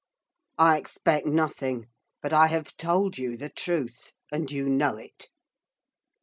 'I expect nothing. But I have told you the truth. And you know it.